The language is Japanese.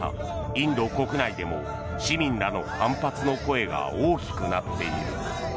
インド国内でも市民らの反発の声が大きくなっている。